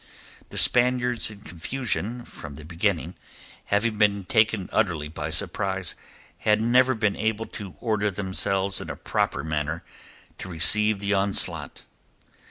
The Spaniards in confusion from the beginning, having been taken utterly by surprise, had never been able to order themselves in a proper manner to receive the onslaught.